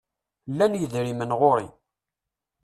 Llan yidrimen ɣur-i.